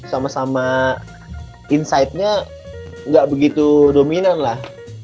sama sama insidenya gak begitu dominan lah